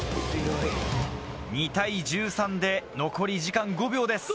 ２対１３で残り時間５秒です。